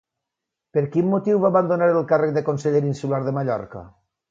Per quin motiu va abandonar el càrrec de consellera insular de Mallorca?